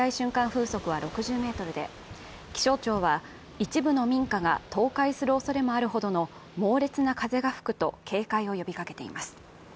風速は６０メートルで気象庁は、一部の民家が倒壊するおそれもあるほどの猛烈な風が吹くと警戒を呼びかけています。